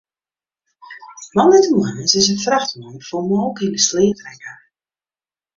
Moandeitemoarn is in frachtwein fol molke yn 'e sleat rekke.